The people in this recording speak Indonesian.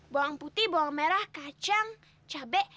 bawang putih bawang merah kacang cabai